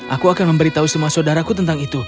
aku akan memberitahu semua saudaraku tentang itu